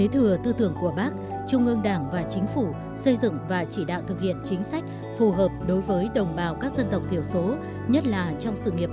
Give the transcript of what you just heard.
tư tưởng và sự quan tâm chăm lo của chủ tịch hồ chí minh đối với đồng bào các dân tộc thiểu số việt nam